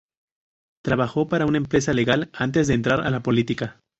Trabajó para una empresa legal, antes de entrar a la política.